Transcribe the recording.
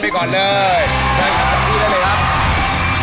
เชิญครับทั้งที่ได้เลยครับ